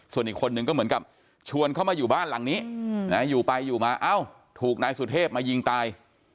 ส่วนอีกคนนึงก็เหมือนกับชวนเขามาอยู่บ้านหลังนี้อยู่ไปอยู่มาเอ้าถูกนายสุเทพมายิงตาย